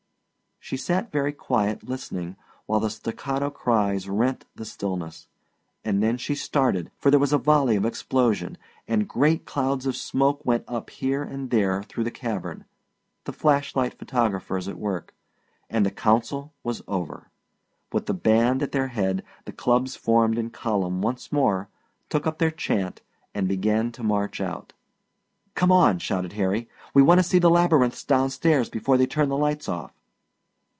She sat very quiet listening while the staccato cries rent the stillness; and then she started, for there was a volley of explosion, and great clouds of smoke went up here and there through the cavern the flash light photographers at work and the council was over. With the band at their head the clubs formed in column once more, took up their chant, and began to march out. "Come on!" shouted Harry. "We want to see the labyrinths down stairs before they turn the lights off!"